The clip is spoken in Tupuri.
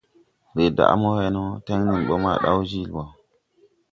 Rɛɛ daʼ mo wɛ no, tɛn nɛn bɔ ma daw jiili bɔ.